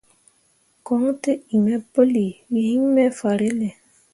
Koɲ tǝ iŋ me pǝlii, we hyi me fahrelle.